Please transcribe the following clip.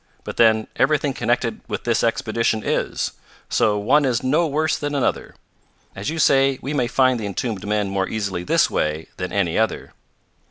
But then everything connected with this expedition is; so one is no worse than another. As you say, we may find the entombed men more easily this way than any other."